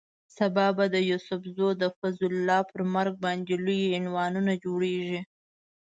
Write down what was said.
سبا به د یوسف زو د فضل الله پر مرګ باندې لوی عنوانونه جوړېږي.